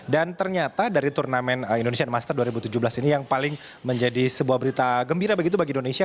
dan ternyata dari turnamen indonesian masters dua ribu tujuh belas ini yang paling menjadi sebuah berita gembira bagi indonesia